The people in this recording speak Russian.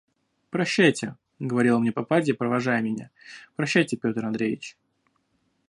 «Прощайте, – говорила мне попадья, провожая меня, – прощайте, Петр Андреич.